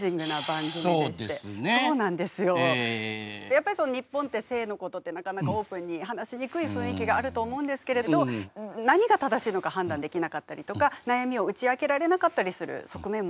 やっぱりその日本って性のことってなかなかオープンに話しにくい雰囲気があると思うんですけれど何が正しいのか判断できなかったりとか悩みを打ち明けられなかったりする側面もあるかなと思いまして